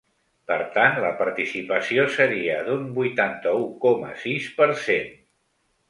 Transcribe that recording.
Per tant, la participació seria d’un vuitanta-u coma sis per cent.